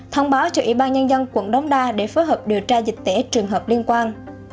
thông báo cho ủy ban nhân dân quận đống đa để phối hợp điều tra dịch tễ trường hợp liên quan